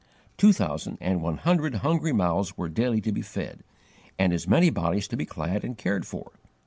Two thousand and one hundred hungry mouths were daily to be fed, and as many bodies to be clad and cared for.